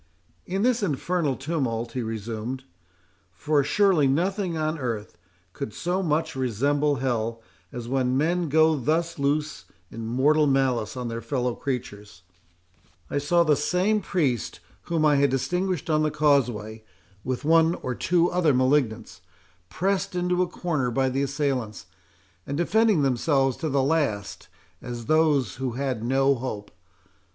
"In this infernal tumult," he resumed,—"for surely nothing on earth could so much resemble hell, as when men go thus loose in mortal malice on their fellow creatures,—I saw the same priest whom I had distinguished on the causeway, with one or two other malignants, pressed into a corner by the assailants, and defending themselves to the last, as those who had no hope.